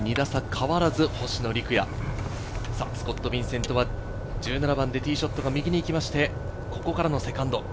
スコット・ビンセントは１７番でティーショットが右に行きまして、ここからのセカンド。